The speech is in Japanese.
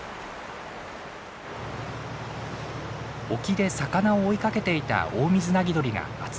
沖で魚を追いかけていたオオミズナギドリが集まってきました。